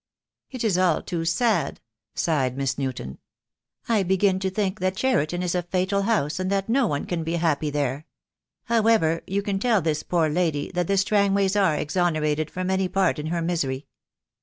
"It is all too sad," sighed Miss Newton. "I begin to think that Cheriton is a fatal house, and that no one can be happy there. However, you can tell this poor lady that the Strangways are exonerated from any part in her misery."